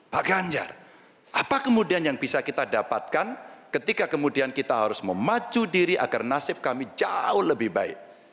pak ganjar apa kemudian yang bisa kita dapatkan ketika kemudian kita harus memacu diri agar nasib kami jauh lebih baik